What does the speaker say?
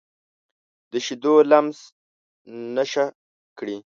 د شیدو لمس نشه کړي